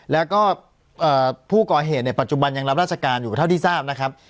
แล้วก็ผู้ก่อเหตุในปัจจุบันยังรับราชการอยู่เท่าที่ทราบนะครับ